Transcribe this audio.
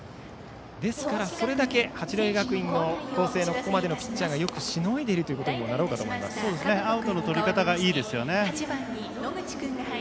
ですから、それだけ八戸学院光星のここまでのピッチャーがよくしのいでいるということにもアウトのとり方がいいですね。